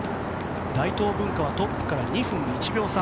大東文化はトップから２分１秒差。